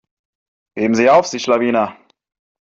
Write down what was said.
Geben sie auf, sie Schlawiner.